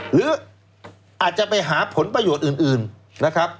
หรืออาจจะไปหาผลประโยชน์อื่นนะครับ